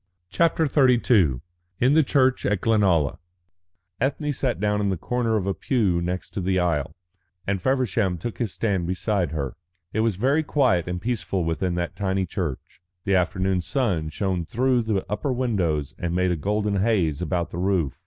CHAPTER XXXII IN THE CHURCH AT GLENALLA Ethne sat down in the corner of a pew next to the aisle, and Feversham took his stand beside her. It was very quiet and peaceful within that tiny church. The afternoon sun shone through the upper windows and made a golden haze about the roof.